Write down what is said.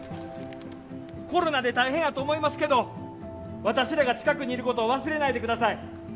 「コロナで大変やと思いますけど私らが近くにいることを忘れないでください。